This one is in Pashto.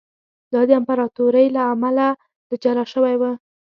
دا د امپراتورۍ له امله له جلا شوی و